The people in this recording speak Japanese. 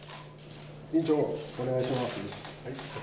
委員長、お願いします。